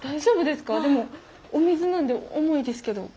でもお水なんで重いですけど。